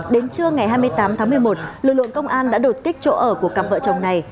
đến trưa ngày hai mươi tám tháng một mươi một lực lượng công an đã đột kích chỗ ở của cặp vợ chồng này